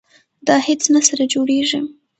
دا هیڅ نه سره جوړیږي.